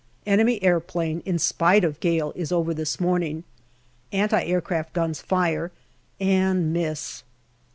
Enemy aeroplane, in spite of gale, is over this morning. Anti aircraft guns fire and miss